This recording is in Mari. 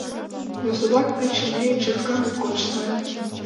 Но садак пече лие чатка моткоч сае.